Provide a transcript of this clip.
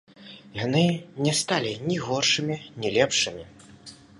Яны не сталі ні горшымі, ні лепшымі.